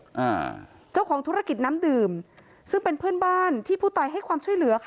อ่าเจ้าของธุรกิจน้ำดื่มซึ่งเป็นเพื่อนบ้านที่ผู้ตายให้ความช่วยเหลือค่ะ